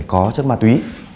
có chất ma túy